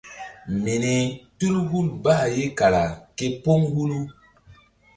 Mini tul hul bah ye kara képóŋ hulu.